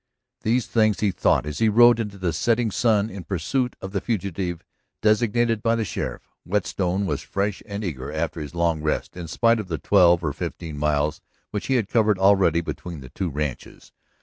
These things he thought as he rode into the setting sun in pursuit of the fugitive designated by the sheriff. Whetstone was fresh and eager after his long rest, in spite of the twelve or fifteen miles which he had covered already between the two ranches.